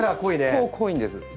結構濃いんです。